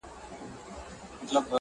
زما د ستړي ژوند مزل ژاړي، منزل ژاړي~